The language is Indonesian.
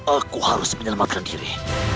aku harus menyelamatkan diri